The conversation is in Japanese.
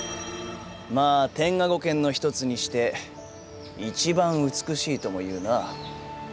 まあ天下五剣の一つにして一番美しいとも言うな。